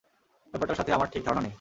ব্যাপারটার সাথে আমার ঠিক ধারণা নেই।